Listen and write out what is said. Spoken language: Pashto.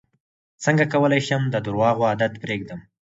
څنګه کولی شم د درواغو عادت پرېږدم